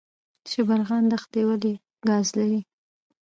شبرغان دښتې ولې ګاز لري؟